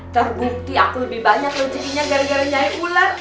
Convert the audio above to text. terbukti aku lebih banyak rencininya gara gara nyai ular